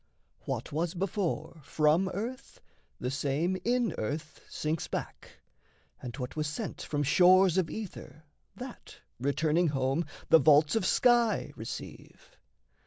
What was before from earth, The same in earth sinks back, and what was sent From shores of ether, that, returning home, The vaults of sky receive.